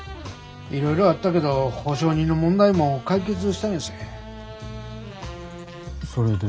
いろいろあったけど保証人の問題も解決したんやそうや。